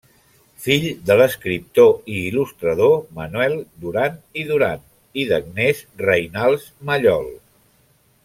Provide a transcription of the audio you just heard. Fill de l'escriptor i il·lustrador Manuel Duran i Duran i d'Agnès Reinals Mallol.